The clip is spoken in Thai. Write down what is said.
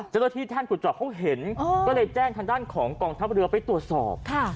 แท่นขุดเจาะเขาเห็นก็เลยแจ้งทางด้านของกองทัพเรือไปตรวจสอบ